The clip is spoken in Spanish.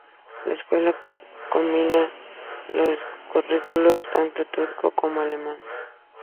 La escuela combina los currículos tanto turco como alemán.